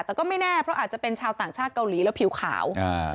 แต่ก็ไม่แน่เพราะอาจจะเป็นชาวต่างชาติเกาหลีแล้วผิวขาวอ่า